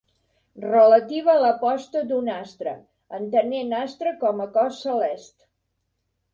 Relativa a la posta d'un astre, entenent astre com a cos celest.